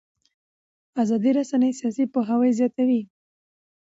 ازادې رسنۍ سیاسي پوهاوی زیاتوي